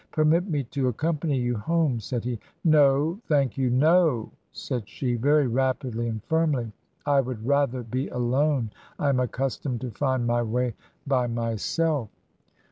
" Permit me to accompany you home," said he. " No, thank you — no r said she, very rapidly and firmly. " I would rather be alone. I am accustomed to find my way by myself."